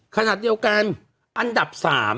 ขนาดเดียวกันอันดับ๓